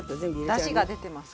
だしが出てますからね